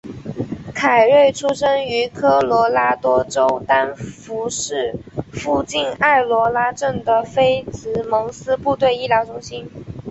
凯瑞出生于科罗拉多州丹佛市附近爱罗拉镇的菲兹蒙斯部队医疗中心。